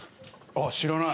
知らない。